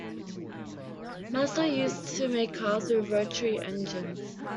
Mazda used to make cars with rotary engines.